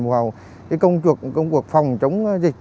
vào công cuộc phòng chống dịch